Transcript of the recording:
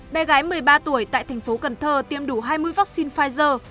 bé gái một mươi ba tuổi tại thành phố cần thơ tiêm đủ hai mươi vaccine pfizer